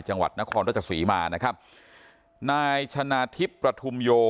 จังหวัดนครรจสุริมานะครับนายชนาธิปประทุมโย